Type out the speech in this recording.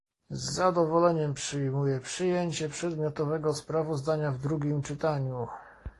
Z zadowoleniem przyjmuję przyjęcie przedmiotowego sprawozdania w drugim czytaniu